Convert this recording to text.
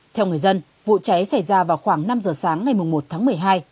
theo người dân vụ cháy xảy ra vào khoảng năm giờ sáng ngày một tháng một mươi hai